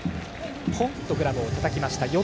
ポンとグラブをたたきました山下。